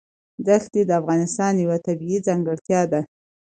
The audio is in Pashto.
دښتې د افغانستان یوه طبیعي ځانګړتیا ده.